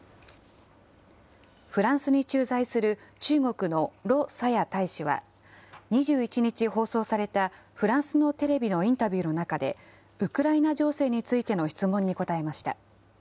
フランスに駐在する中国の盧沙野大使は、２１日放送されたフランスのテレビのインタビューの中で、ウクライナ情勢についての質問に答えました。